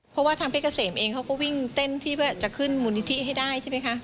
เพราะว่าทางเพชรเกษมเองเขาก็วิ่งเต้นที่เพื่อจะขึ้นมูลนิธิให้ได้ใช่ไหมคะ